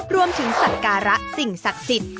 รวมถึงศักรระสิ่งศักดิ์สิทธิ์